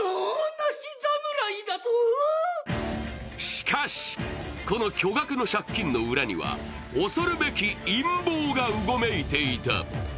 しかし、この巨額の借金の裏には恐るべき陰謀がうごめいていた。